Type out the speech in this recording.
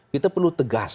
kita perlu tegas